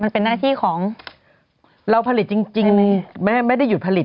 เป็นหน้าที่